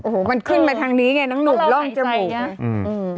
โอ้โหมันขึ้นมาทางนี้ไงน้องหนุ่มร่องจมูกอืม